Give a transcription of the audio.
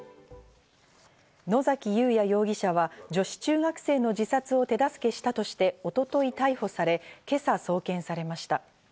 野崎祐也容疑者は女子中学生の自殺を手助けしたとして、一昨日逮捕され、今朝、送検されました。